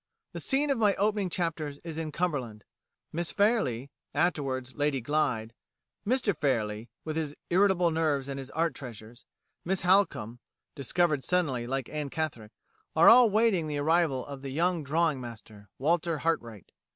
The scene of my opening chapters is in Cumberland. Miss Fairlie (afterwards Lady Glyde); Mr Fairlie, with his irritable nerves and his art treasures; Miss Halcombe (discovered suddenly, like Anne Catherick), are all waiting the arrival of the young drawing master, Walter Hartwright.